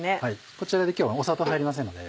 こちらで今日は砂糖入りませんので。